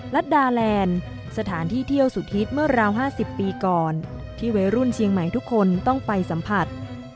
รัฐดาแลนด์สถานที่เที่ยวสุดฮิตเมื่อราว๕๐ปีก่อนที่วัยรุ่นเชียงใหม่ทุกคนต้องไปสัมผัส